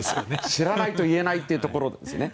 知らないと言えないというところですよね。